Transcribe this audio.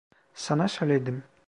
Sana söyledim.